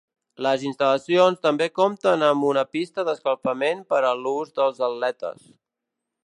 Les instal·lacions també compten amb una pista d'escalfament per a l'ús dels atletes.